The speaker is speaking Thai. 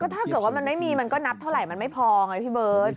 ถ้าเกิดว่ามันไม่มีมันก็นับเท่าไหร่มันไม่พอไงพี่เบิร์ต